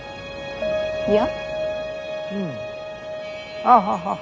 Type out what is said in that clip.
いや。